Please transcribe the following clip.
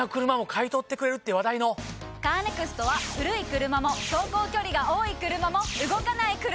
カーネクストは古い車も走行距離が多い車も動かない車でも。